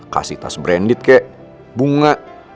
kasih tas branded kayak bunga